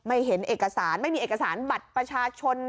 เห็นเอกสารไม่มีเอกสารบัตรประชาชน